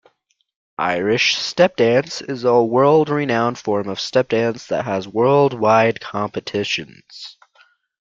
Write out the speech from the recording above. Irish stepdance is a world-renowned form of step dance that has worldwide competitions.